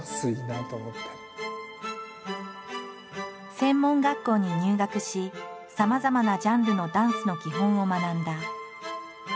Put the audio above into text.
専門学校に入学しさまざまなジャンルのダンスの基本を学んだ。